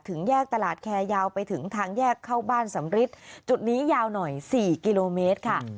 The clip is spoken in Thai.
ถึงแยกตลาดแคร์ยาวไปถึงทางแยกเข้าบ้านสำริทจุดนี้ยาวหน่อย๔กิโลเมตรค่ะ